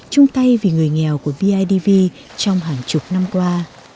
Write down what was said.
chung tay vì người nghèo của bidv trong hàng chục năm qua